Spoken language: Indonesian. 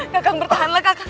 kakak bertahanlah kakak